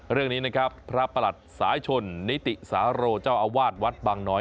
เรื่องนี้นะครับพระประหลัดสายชนนิติสาโรเจ้าอาวาสวัดบางน้อย